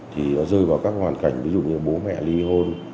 thì nó rơi vào các hoàn cảnh ví dụ như bố mẹ ly hôn